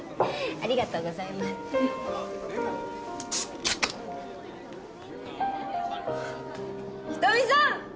ありがとうございます人見さんファイヤー！